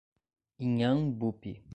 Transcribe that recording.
Inhambupe